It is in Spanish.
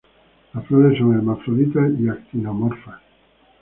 Las flores son hermafroditas y actinomorfas.